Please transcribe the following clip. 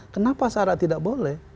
kenapa sarah tidak boleh